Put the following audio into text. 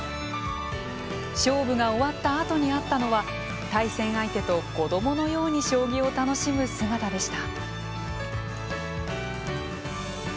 勝負が終わった後にあったのは対戦相手と子どものように将棋を楽しむ姿でした。